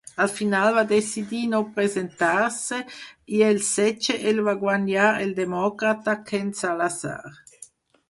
Al final, va decidir no presentar-se, i el setge el va guanyar el demòcrata Ken Salazar.